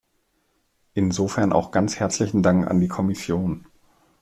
Insofern auch ganz herzlichen Dank an die Kommission.